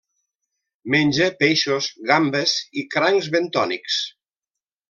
Menja peixos, gambes i crancs bentònics.